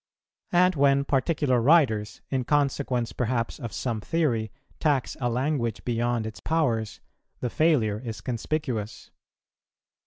And when particular writers, in consequence perhaps of some theory, tax a language beyond its powers, the failure is conspicuous.